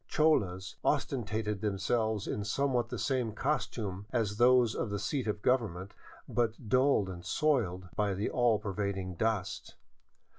Cholas ostentated themselves in somewhat the same costunle as those of the seat of government, but dulled and soiled by the all pervading dust.